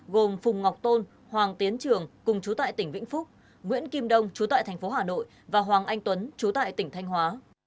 gồm phùng ngọc tôn hoàng tiến trường cùng chú tại tỉnh vĩnh phúc nguyễn kim đông chú tại thành phố hà nội và hoàng anh tuấn chú tại tỉnh thanh hóa